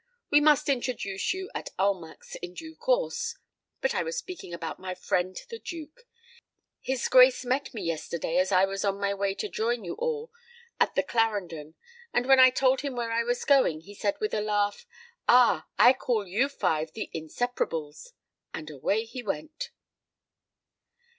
We must introduce you at Almack's in due course. But I was speaking about my friend the Duke. His Grace met me yesterday as I was on my way to join you all at the Clarendon: and when I told him where I was going, he said with a laugh, 'Ah! I call you five the Inseparables!'—and away he went."